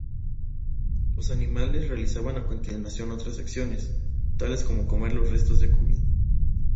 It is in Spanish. Los animales realizaban a continuación otras acciones, tales como comer los restos de comida.